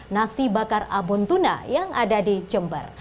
nasi bakar abon tuna yang ada di jember